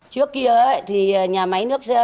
trước kia thì nhà máy nước